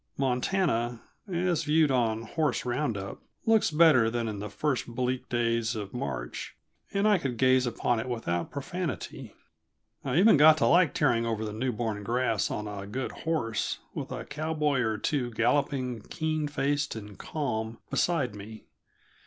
Montana, as viewed on "horse round up," looks better than in the first bleak days of March, and I could gaze upon it without profanity. I even got to like tearing over the newborn grass on a good horse, with a cowboy or two galloping, keen faced and calm, beside me.